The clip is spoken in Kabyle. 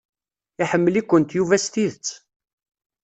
Iḥemmel-ikent Yuba s tidet.